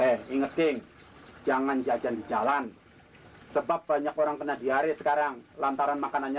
eh ingetin jangan jajan di jalan sebab banyak orang kena di hari sekarang lantaran makanannya